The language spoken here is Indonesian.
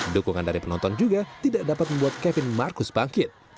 dukungan dari penonton juga tidak dapat membuat kevin marcus bangkit